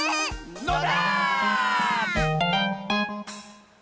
のだ！